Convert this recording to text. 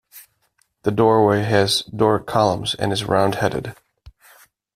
The doorway has Doric columns and is round-headed.